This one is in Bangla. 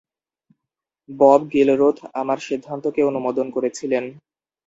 বব গিলরুথ আমার সিদ্ধান্তকে অনুমোদন করেছিলেন।